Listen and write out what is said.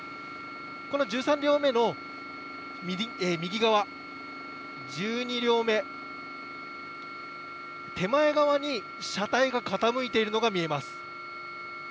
この１３両目の右側、１２両目、手前側に車体が傾いているのが見えます。